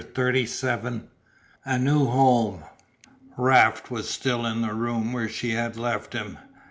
CHAPTER XXXVII A NEW HOME Raft was still in the room where she had left him.